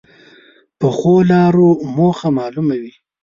پخو لارو موخه معلومه وي